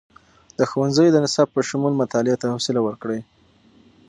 د ښوونځیو د نصاب په شمول، مطالعې ته خوصله ورکړئ.